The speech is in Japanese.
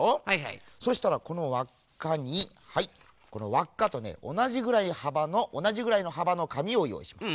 そしたらこのわっかにはいこのわっかとねおなじぐらいのはばのかみをよういします。